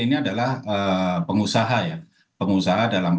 ini adalah pengusaha ya pengusaha dalam